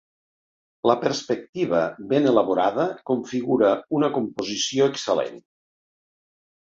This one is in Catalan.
La perspectiva, ben elaborada, configura una composició excel·lent.